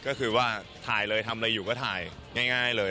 ก็คือว่าถ่ายเลยทำอะไรอยู่ก็ถ่ายง่ายเลย